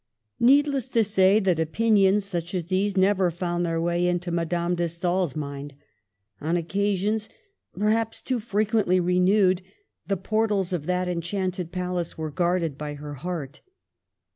Needless to say that opinions such as these never found their way into Madame de Stael's mind. On occasions — perhaps too frequently re newed — the portals of that enchanted palace were guarded by her heart.